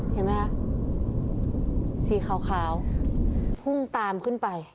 เห็นไหมคะสีขาวพุ่งตามขึ้นไป